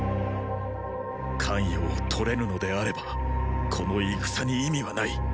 咸陽を取れぬのであればこの戦に意味はない。